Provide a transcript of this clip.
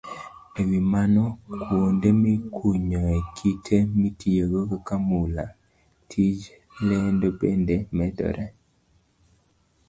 E wi mano, kuonde mikunyoe kite mitiyogo kaka mula, tij lendo bende medore.